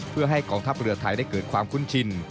เพื่อให้กองทัพเรือไทยได้เกิดความคุ้นชิน